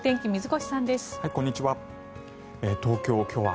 こんにちは。